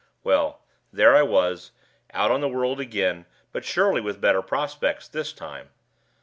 Well! there I was, out on the world again, but surely with better prospects this time.